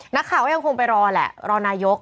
นักข่าวก็ยังคงไปรอแหละรอนายก